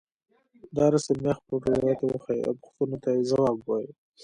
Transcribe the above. دا رسم بیا خپلو ټولګيوالو ته وښیئ او پوښتنو ته یې ځواب ووایئ.